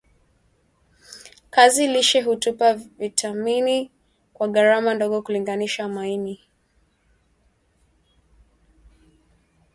kiazi lishe hutupa vitamini A kwa gharama ndogo kulinganisha maini